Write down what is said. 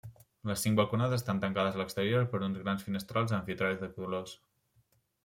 Les cinc balconades estan tancades a l'exterior per uns grans finestrals amb vitralls de colors.